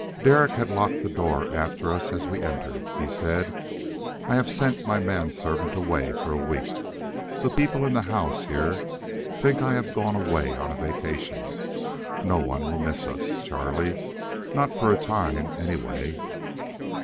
Derek had locked the door after us as we entered. He said, "I have sent my man servant away for a week. The people in the house here think I have gone away on a vacation. No one will miss us, Charlie not for a time, anyway."